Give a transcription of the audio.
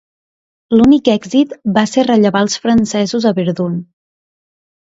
L'únic èxit va ser rellevar els francesos a Verdun.